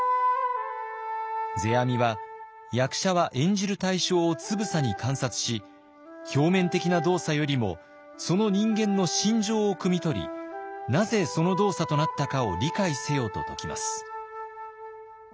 世阿弥は役者は演じる対象をつぶさに観察し表面的な動作よりもその人間の心情をくみ取りなぜその動作となったかを理解せよと説きます。